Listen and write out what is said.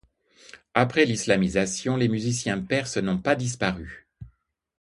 Après l'islamisation, les musiciens perses n'ont pas disparu.